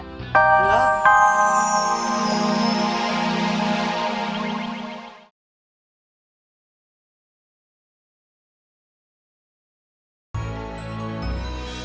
kamu ngebelah cj nya